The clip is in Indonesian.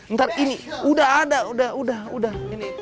ntar ini udah ada udah udah ini